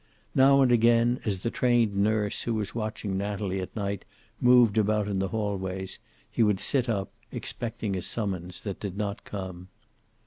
Now and again, as the trained nurse who was watching Natalie at night moved about the hallways, he would sit up, expecting a summons that did not come.